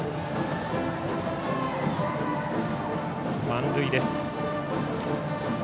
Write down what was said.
満塁です。